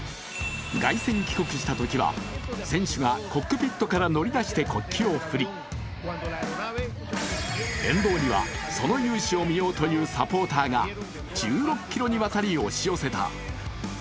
凱旋帰国したときには選手がコックピットから乗り出して国旗を振り、沿道には、その雄姿を見ようというサポーターが１６ｋｍにわたり押し寄せた。